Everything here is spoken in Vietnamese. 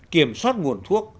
kiểm soát nguồn thuốc